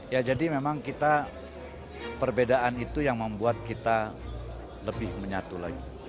ya jadi memang kita perbedaan itu yang membuat kita lebih menyatu lagi